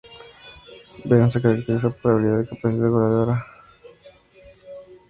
Verón se caracterizó por su habilidad y capacidad goleadora.